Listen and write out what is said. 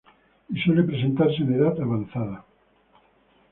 Y suele presentarse en edad avanzada.